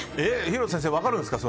廣瀬先生、分かるんですか？